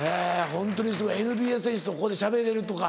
ホントにすごいＮＢＡ選手とここでしゃべれるとか。